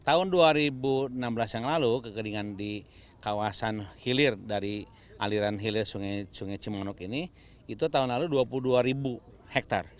tahun dua ribu enam belas yang lalu kekeringan di kawasan hilir dari aliran hilir sungai cimanuk ini itu tahun lalu dua puluh dua ribu hektare